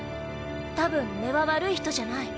多分根は悪い人じゃない。